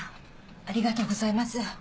ありがとうございます。